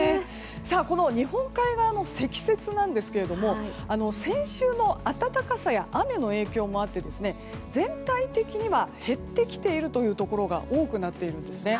この日本海側の積雪ですけども先週の暖かさや雨の影響もあって全体的には減ってきているところが多くなっているんですね。